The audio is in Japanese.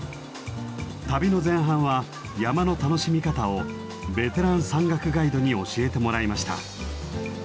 旅の前半は山の楽しみ方をベテラン山岳ガイドに教えてもらいました。